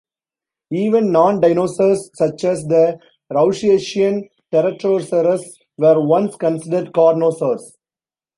Even non-dinosaurs, such as the rauisuchian "Teratosaurus", were once considered carnosaurs.